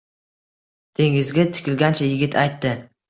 Dengizga tikilgancha yigit aytdi.